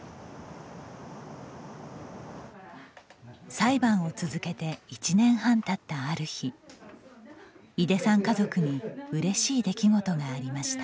裁判を続けて１年半たったある日、井出さん家族にうれしい出来事がありました。